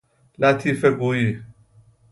لطیفه گویی